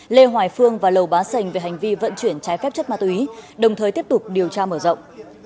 lê hoài phương và lầu bá sành về hành vi vận chuyển trái phép chất ma túy đồng thời tiếp tục điều tra mở rộng